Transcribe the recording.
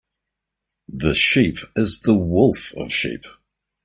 The sheep is the wolf of sheep.